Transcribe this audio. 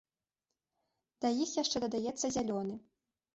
Да іх яшчэ дадаецца зялёны.